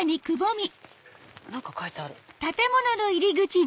何か書いてある。